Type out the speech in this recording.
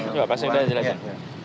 coba pak saya sudah jelaskan